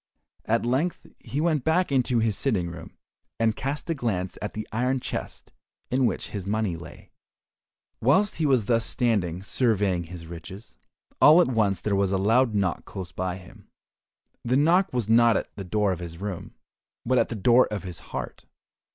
At length he went back into his sitting room, and cast a glance at the iron chest in which his money lay. Whilst he was thus standing surveying his riches, all at once there was a loud knock close by him. The knock was not at the door of his room, but at the door of his heart.